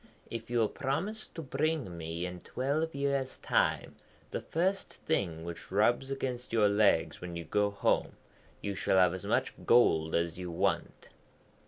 'If you will promise to bring me in twelve years' time the first thing which rubs against your legs when you go home, you shall have as much gold as you want.'